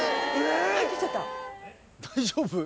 大丈夫？